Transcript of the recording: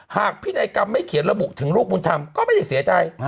พินัยกรรมไม่เขียนระบุถึงลูกบุญธรรมก็ไม่ได้เสียใจ